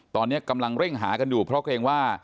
ตอนนี้กำลังเร่งหากันอยู่เพราะเกรงว่า